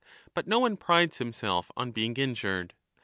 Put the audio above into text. But no one prides himself on being injured.